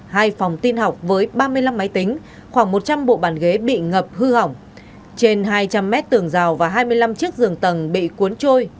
hai phòng tin học với ba mươi năm máy tính khoảng một trăm linh bộ bàn ghế bị ngập hư hỏng trên hai trăm linh mét tường rào và hai mươi năm chiếc giường tầng bị cuốn trôi